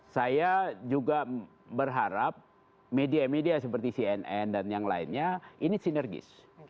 saya juga berharap media media seperti cnn dan yang lainnya ini sinergis